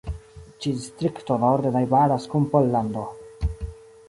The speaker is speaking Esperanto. Ĉi-distrikto norde najbaras kun Pollando.